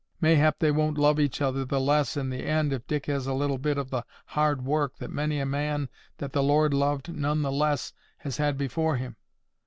Mayhap they won't love each other the less in the end if Dick has a little bit of the hard work that many a man that the Lord loved none the less has had before him.